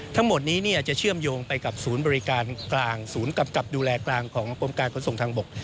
ทั้งหมดนี้อาจจะเชื่อมโยงไปกับศูนย์บริการกลางศูนย์กำกับดูแลกลางของกรมการขนส่งทางบก